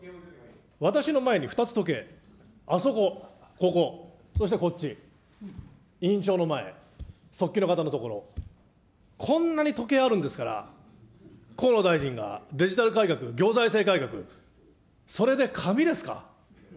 私の前に２つ時計、あそこ、ここ、そしてこっち、委員長の前、速記の方の所、こんなに時計あるんですから、河野大臣がデジタル改革、行財政改革、それで紙ですか。